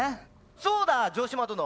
そうだ城島殿